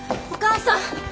お母さん！